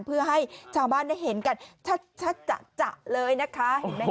เพื่อให้ชาวบ้านเห็นกันจะเลยนะคะ